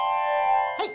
はい。